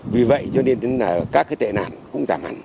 vì vậy cho nên các tệ nạn cũng giảm hẳn